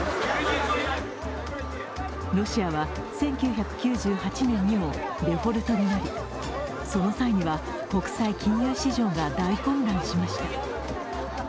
ロシアは１９９８年にもデフォルトがありその際には国際金融市場が大混乱しました。